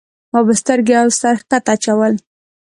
ما به سترګې او سر ښکته اچول.